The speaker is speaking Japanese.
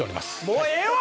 もうええわ！